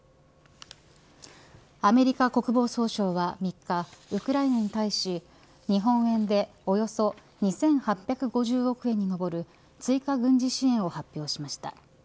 アメリカ国防総省は３日ウクライナに対し、日本円でおよそ２８５０億円に上る追加軍事支援を発表しました。